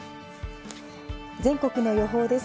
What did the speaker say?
全国の予報です。